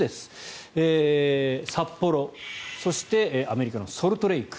札幌、そしてアメリカのソルトレーク